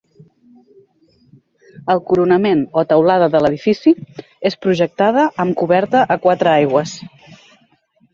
El coronament o teulada de l’edifici, és projectada amb coberta a quatre aigües.